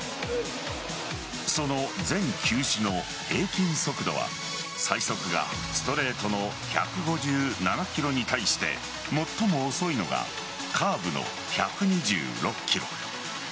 その全球種の平均速度は最速がストレートの１５７キロに対して最も遅いのがカーブの１２６キロ。